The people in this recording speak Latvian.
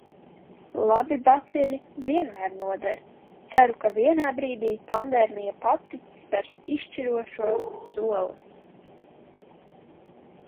Labi baciļi vienmēr noder. Ceru, ka vienā brīdī pandēmija pati spers izšķirošo soli.